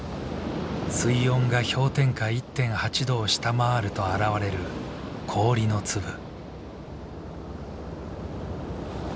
水温が氷点下１．８度を下回ると現れる氷の粒。